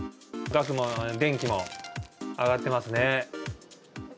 ガスも電気も上がっていますね。